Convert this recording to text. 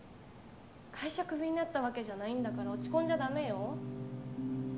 会社クビになったわけじゃないんだから落ち込んじゃダメよ